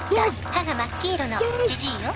「歯が真っ黄色のジジイよ」